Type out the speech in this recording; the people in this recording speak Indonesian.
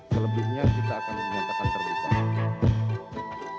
selebihnya kita akan menyatakan terbuka